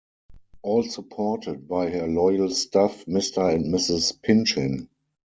All supported by her loyal staff Mr and Mrs Pinchin.